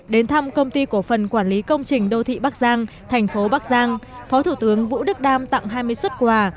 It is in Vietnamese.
đến thăm công ty cổ phần quản lý công trình đô thị bắc giang thành phố bắc giang phó thủ tướng vũ đức đam tặng hai mươi xuất quà